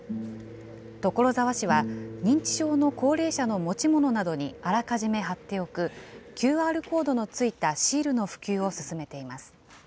所沢市は、認知症の高齢者の持ち物などにあらかじめ貼っておく、ＱＲコードの付いたシールの普及を進めています。